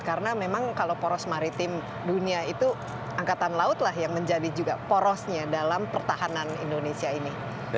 karena memang kalau poros maritim dunia itu angkatan laut lah yang menjadi juga porosnya dalam pertahanan indonesia ini